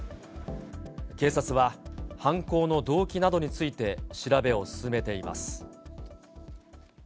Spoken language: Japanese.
警察は、犯行の動機などについて調べを進めています。